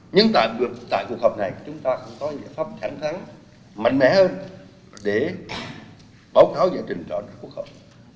nhưng tại cuộc họp này chúng ta cũng có những biện pháp thẳng thắng mạnh mẽ hơn để báo cáo giải trình trọn của cuộc họp